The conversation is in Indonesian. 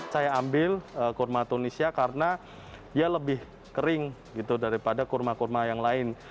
saya ambil kurma tunisia karena dia lebih kering gitu daripada kurma kurma yang lain